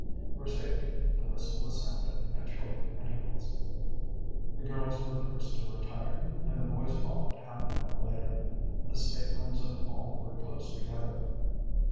For safety the whistle was sounded at short intervals. The girls were the first to retire, and the boys followed half an hour later. The staterooms of all were close together.